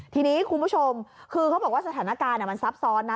ทีนี้คุณผู้ชมคือเขาบอกว่าสถานการณ์มันซับซ้อนนะ